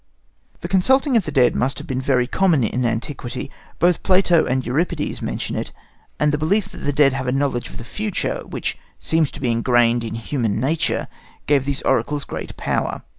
This consulting of the dead must have been very common in antiquity. Both Plato and Euripides mention it; and the belief that the dead have a knowledge of the future, which seems to be ingrained in human nature, gave these oracles great power.